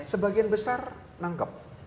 sebagian besar nangkep